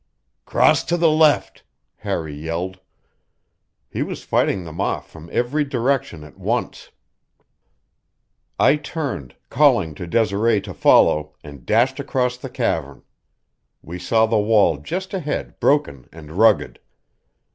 "Cross to the left!" Harry yelled. He was fighting them off from every direction at once. I turned, calling to Desiree to follow, and dashed across the cavern. We saw the wall just ahead, broken and rugged.